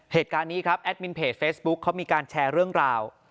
เหตุการณ์นี้ครับแอดมินเพจเฟซบุ๊คเขามีการแชร์เรื่องราว